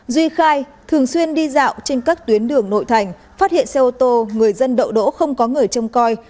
duy khai thường xuyên đi dạo trên các tuyến đường nội thành phát hiện xe ô tô người dân đậu đỗ không có người trông coi